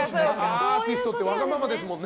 アーティストってわがままですもんね。